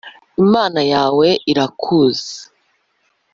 Imana yawe irakuzi